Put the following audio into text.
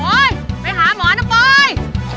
โอ๊ยไปหาหมอแล้วปล่อย